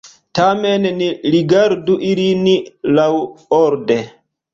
Tamen ni rigardu ilin laŭorde.